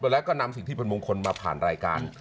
แล้วก็นำสิ่งที่เป็นมงคลมาผ่านรายการ